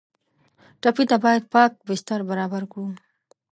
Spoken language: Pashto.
ټپي ته باید پاک بستر برابر کړو.